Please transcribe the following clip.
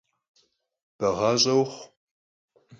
Beğaş'e vuxhu!